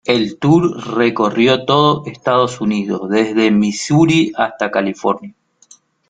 El Tour recorrió todo Estados Unidos desde Missouri hasta California.